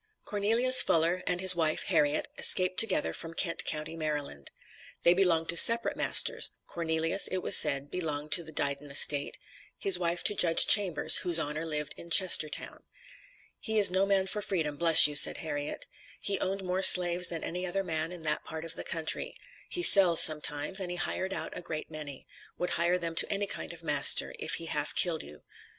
Cornelius Fuller, and his wife, Harriet, escaped together from Kent county, Maryland. They belonged to separate masters; Cornelius, it was said, belonged to the Diden Estate; his wife to Judge Chambers, whose Honor lived in Chestertown. "He is no man for freedom, bless you," said Harriet. "He owned more slaves than any other man in that part of the country; he sells sometimes, and he hired out a great many; would hire them to any kind of a master, if he half killed you."